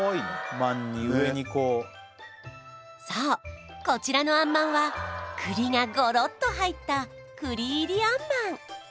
まんに上にこうそうこちらのあんまんは栗がゴロっと入った栗入りあんまん